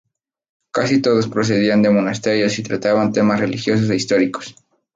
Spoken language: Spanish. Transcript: Casi todos procedían de monasterios y trataban temas religiosos e históricos.